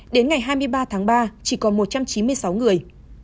đến ngày hai mươi ba tháng ba chỉ còn một trăm chín mươi sáu người